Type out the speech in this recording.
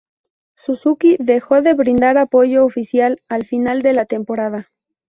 Suzuki dejó de brindar apoyo oficial al final de la temporada.